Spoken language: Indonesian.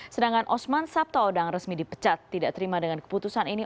sedangkan osman sabtaodang resmi dipecat tidak terima dengan keputusan ini